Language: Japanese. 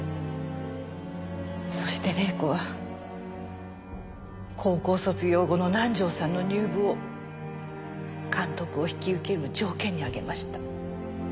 そして麗子は高校卒業後の南条さんの入部を監督を引き受ける条件に挙げました。